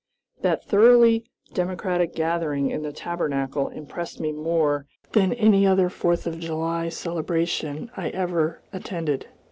That thoroughly democratic gathering in the Tabernacle impressed me more than any other Fourth of July celebration I ever attended.